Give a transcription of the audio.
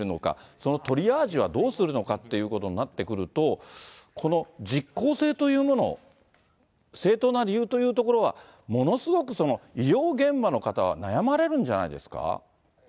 そのトリアージはどうするのかということになってくると、この実効性というもの、正当な理由というところは、ものすごく、医療現場の方は悩まれるんじゃないですか。